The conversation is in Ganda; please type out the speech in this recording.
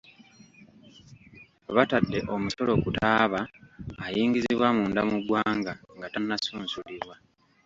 Batadde omusolo ku ttaaba ayingizibwa munda mu ggwanga nga tannasunsulibwa.